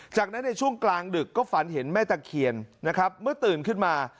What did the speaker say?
จากนั้นในช่วงกลางดึกก็ฝันเห็นแม่ตะเคียนนะครับเมื่อตื่นขึ้นมา